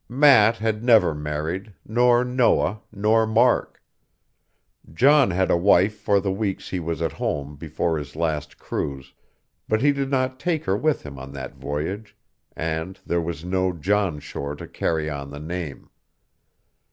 Matt had never married, nor Noah, nor Mark. John had a wife for the weeks he was at home before his last cruise; but he did not take her with him on that voyage, and there was no John Shore to carry on the name.